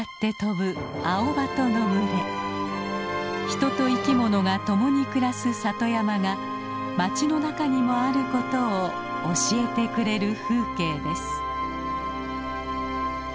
人と生き物が共に暮らす里山が町の中にもあることを教えてくれる風景です。